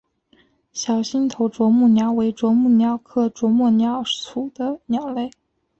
小星头啄木鸟为啄木鸟科啄木鸟属的鸟类。